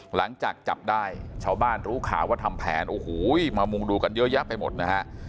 หลังจากจับได้ชาวบ้านรู้ข่าวว่าทำแผนโอ้โหมามุงดูกันเยอะแยะไปหมดนะฮะ